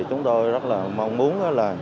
chúng tôi rất là mong muốn